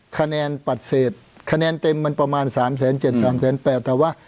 คะแนนปฏิเสธคะแนนเต็มมันประมาณ๓๗๓๘๐๐แต่ว่า